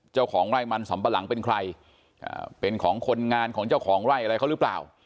เจ้าของไร่มันสำปะหลังเป็นใครเป็นของคนงานของเจ้าของไร่อะไรเขาหรือเปล่า